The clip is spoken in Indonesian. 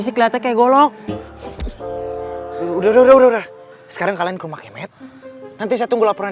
sih kelihatan kayak golok udah udah sekarang kalian ke rumah kemah nanti saya tunggu laporan